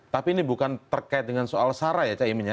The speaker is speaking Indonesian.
tapi ini bukan terkait dengan soal sarah ya caimin ya